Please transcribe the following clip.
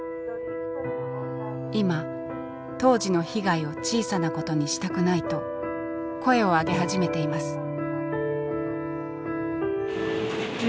今当時の被害を小さなことにしたくないと声を上げ始めています。